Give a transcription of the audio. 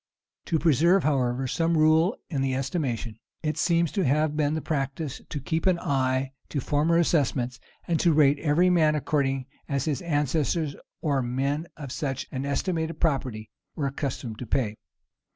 To preserve, however, some rule in the estimation, it seems to have been the practice to keep an eye to former assessments, and to rate every man according as his ancestors, or men of such an estimated property, were accustomed to pay.